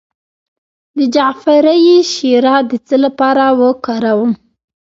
د جعفری شیره د څه لپاره وکاروم؟